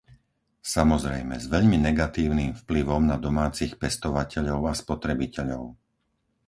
Samozrejme s veľmi negatívnym vplyvom na domácich pestovateľov a spotrebiteľov.